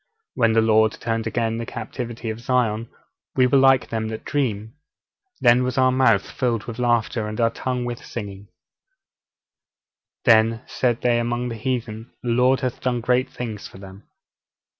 '_When the Lord turned again the captivity of Zion, we were like them that dream. Then was our mouth filled with laughter, and our tongue with singing: then said they among the heathen, The Lord hath done great things for them.